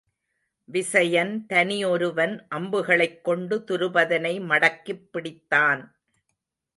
விசயன் தனி ஒருவன் அம்புகளைக் கொண்டு துருபதனை மடக்கிப் பிடித்தான்.